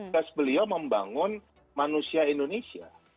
tes beliau membangun manusia indonesia